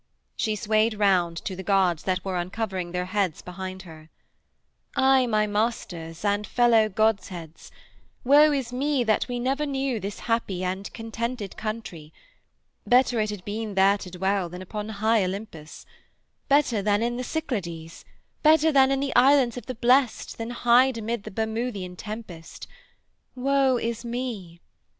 She swayed round to the gods that were uncovering their heads behind her: 'Aye, my masters and fellow godheads: woe is me that we knew never this happy and contented country. Better it had been there to dwell than upon high Olympus: better than in the Cyclades: better than in the Islands of the Blest that hide amid the Bermoothean tempest. Woe is me!'